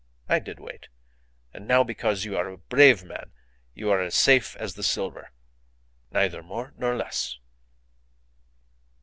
I did wait. And now because you are a brave man you are as safe as the silver. Neither more nor less."